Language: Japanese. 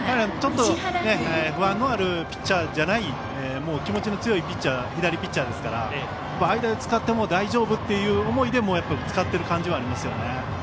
ちょっと不安のあるピッチャーじゃない気持ちの強い左ピッチャーですから間で使っても大丈夫という思いで使っている感じはありますよね。